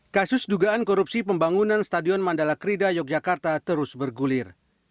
kasus dugaan korupsi pembangunan stadion mandala krida yogyakarta terus bergulir